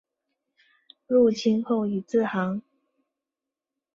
入清后以字行。